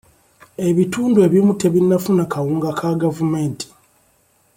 Ebitundu ebimu tebinnafuna kawunga ka gavumenti.